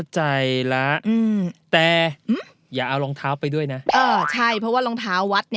จริงเค้าบอกอย่างงี้ว่า